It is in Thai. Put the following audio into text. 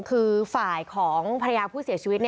คือฝ่ายของภรรยาผู้เสียชีวิต